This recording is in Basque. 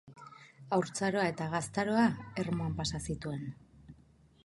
Haurtzaroa eta gaztaroa Ermuan pasa zituen.